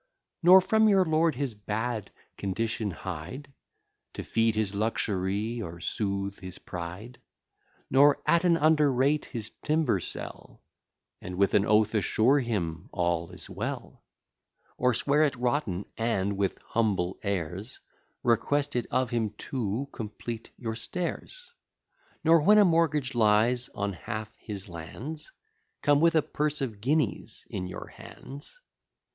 Nor from your lord his bad condition hide, To feed his luxury, or soothe his pride. Nor at an under rate his timber sell, And with an oath assure him, all is well; Or swear it rotten, and with humble airs Request it of him, to complete your stairs; Nor, when a mortgage lies on half his lands, Come with a purse of guineas in your hands.